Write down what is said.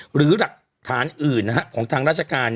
หรือหลักฐานอื่นของทางราชการ